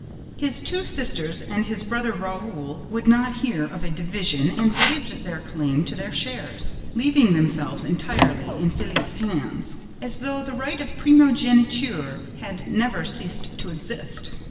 His two sisters and his brother, Raoul, would not hear of a division and waived their claim to their shares, leaving themselves entirely in Philippe's hands, as though the right of primogeniture had never ceased to exist.